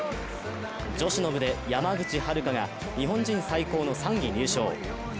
女子の部で山口遥が日本人最高の３位入賞。